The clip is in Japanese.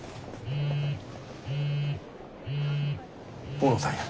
大野さんや。